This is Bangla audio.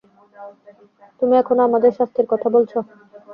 তুমি এখনও আমাদের শাস্তির কথা বলছ?